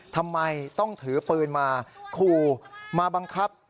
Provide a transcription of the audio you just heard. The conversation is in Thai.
ทำไมต้องถือปืนมาขู่มาบังคับ